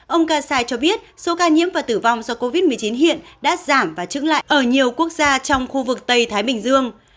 ông kassai cho biết số ca nhiễm và tử vong do covid một mươi chín hiện đã giảm và trứng lại ở nhiều quốc gia trong khu vực tây thái bình dương